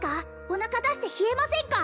おなか出して冷えませんか？